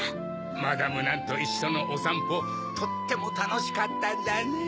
マダム・ナンといっしょのおさんぽとってもたのしかったんだねぇ。